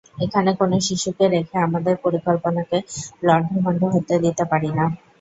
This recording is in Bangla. এখানে কোনো শিশুকে রেখে আমাদের পরিকল্পনাকে লণ্ডভণ্ড হতে দিতে পারি না।